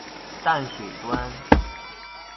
淡水端